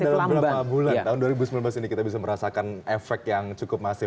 kira kira dalam beberapa bulan tahun dua ribu sembilan belas ini kita bisa merasakan efek yang cukup masih